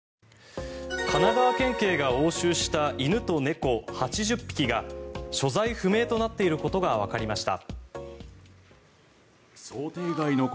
神奈川県警が押収した犬と猫８０匹が所在不明となっていることがわかりました。